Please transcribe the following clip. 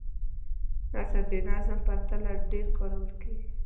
نثر د نظم په پرتله ډېر کارول کیږي.